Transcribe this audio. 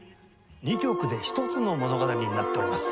２曲で１つの物語になっております。